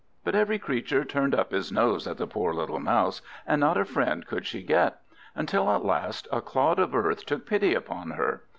But every creature turned up his nose at the poor little Mouse, and not a friend could she get; until at last a Clod of earth took pity upon her.